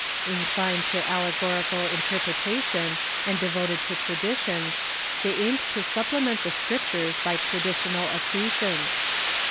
Inclined to allegorical interpretation, and devoted to traditions, they aimed to supplement the Scriptures by traditional accretions.